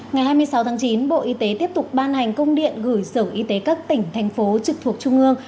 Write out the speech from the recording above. ngày hai mươi sáu tháng chín bộ y tế tiếp tục ban hành công điện gửi sở y tế các tỉnh thành phố trực thuộc trung ương